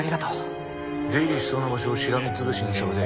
出入りしそうな場所をしらみつぶしに捜せ。